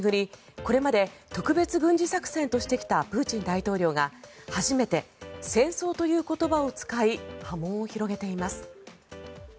これまで特別軍事作戦としてきたプーチン大統領が初めて戦争という言葉を使い波紋を広げています。